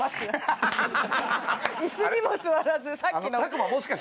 椅子にも座らずさっきの。